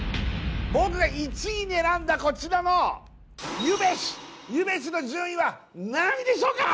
僕が１位に選んだこちらのゆべしゆべしの順位は何位でしょうか？